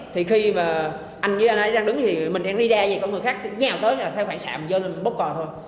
thì khi mà anh với anh ấy đang đứng thì mình đang đi ra vậy có người khác nhào tới là theo khoảng sạm dơ lên bốc cò thôi